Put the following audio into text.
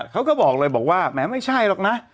เขาบอกเลยบอกว่าแหมไม่ใช่หรอกนะ